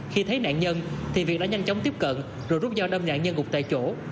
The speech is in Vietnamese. khi thấy nạn nhân thì việc đã nhanh chóng tiếp cận rồi rút dao đâm nạn nhân gục tại chỗ